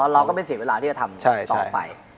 เราก็ไม่เสียเวลาที่จะทำต่อไป